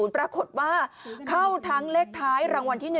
ปรากฏว่าเข้าทั้งเลขท้ายรางวัลที่๑